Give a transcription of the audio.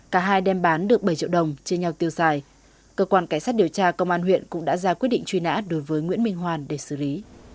cả hai đem bán được bảy triệu đồng chia nhau tiêu xài cơ quan cảnh sát điều tra công an huyện cũng đã ra quyết định truy nã đối với nguyễn minh hoàn để xử lý